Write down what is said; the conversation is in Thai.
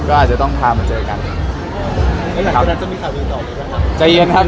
ก็อาจจะต้องพามาเจอกันแล้วหลังจากนั้นจะมีข่าวดีต่อไหมใจเย็นครับ